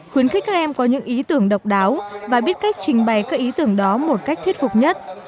khuyến khích các em có những ý tưởng độc đáo và biết cách trình bày các ý tưởng đó một cách thuyết phục nhất